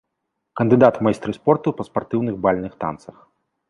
Кандыдат у майстры спорту па спартыўных бальных танцах.